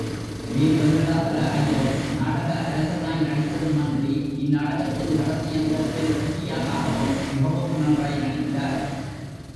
வே. வெங்கடாசல ஐயர் நாடக அரசனாய் நடித்ததுமன்றி, இந் நாடகத்தின் கடைசி அங்கத்தில் வெட்டியானாகவும், மிகவும் நன்றாய் நடித்தார்.